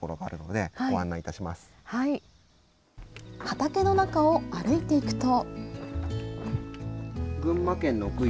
畑の中を歩いていくと。